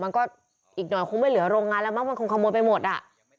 มันก็อีกหน่อยคงไม่เหลือโรงงานแล้วมั้งมันคงขโมยไปหมดอ่ะ